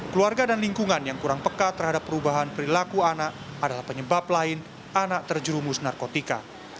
keluarga dan lingkungan yang kurang peka terhadap perubahan perilaku anak adalah penyebab lain anak terjerumus narkotika